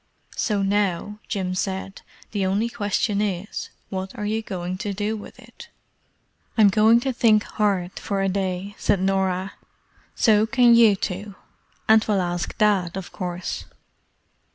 "So now," Jim said, "the only question is, what are you going to do with it?" "I'm going to think hard for a day," said Norah. "So can you two; and we'll ask Dad, of course."